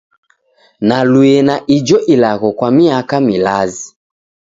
Nalue na ijo ilagho kwa miaka milazi.